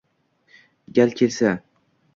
gal kelsa